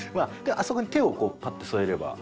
あそこに手をパッと添えれば。